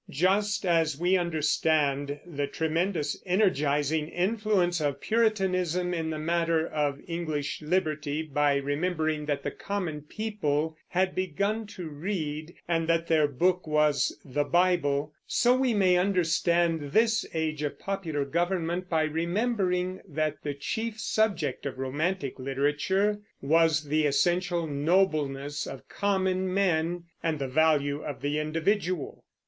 Just as we understand the tremendous energizing influence of Puritanism in the matter of English liberty by remembering that the common people had begun to read, and that their book was the Bible, so we may understand this age of popular government by remembering that the chief subject of romantic literature was the essential nobleness of common men and the value of the individual.